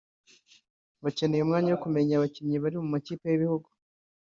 bakeneye umwanya wo kumenya abakinnyi bari mu makipe y’ibihugu